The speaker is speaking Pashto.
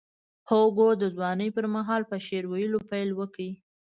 هوګو د ځوانۍ پر مهال په شعر ویلو پیل وکړ.